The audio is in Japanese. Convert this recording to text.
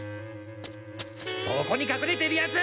そこにかくれているやつ！